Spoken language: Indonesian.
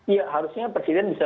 ya harusnya presiden bisa